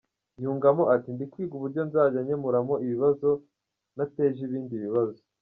Yungamo ati, “Ndi kwiga uburyo nzajya nkemuramo ibibazo ntateje ibindi bibazo.